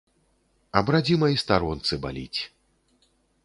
Аб радзімай старонцы баліць!